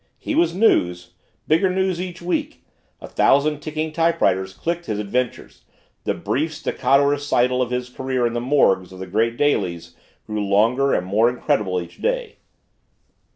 He was news bigger news each week a thousand ticking typewriters clicked his adventures the brief, staccato recital of his career in the morgues of the great dailies grew longer and more incredible each day.